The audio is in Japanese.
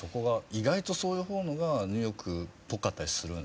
意外とそういう方のがニューヨークっぽかったりするんでしょうね。